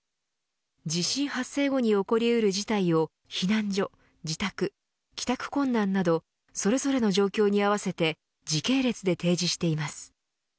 地震発生後に起こりうる事態を避難所、自宅、帰宅困難などそれぞれの状況に合わせて時系列で提示しています。